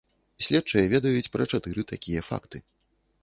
Следчыя ведаюць пра чатыры такія факты.